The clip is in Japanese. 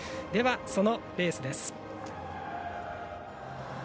そのレースです。